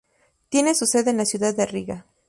Tiene su sede en la ciudad de Riga.